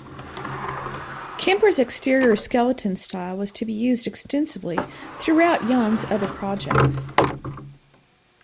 Kemper's exterior skeleton style was to be used extensively throughout Jahn's other projects.